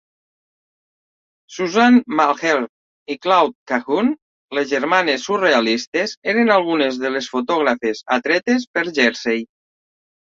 Suzanne Malherbe i Claude Cahun, les "germanes surrealistes" eren algunes de les fotògrafes atretes per Jersey.